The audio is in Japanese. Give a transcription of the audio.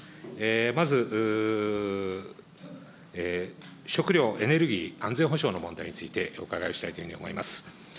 まず食料、エネルギー、安全保障の問題についてお伺いしたいというふうに思います。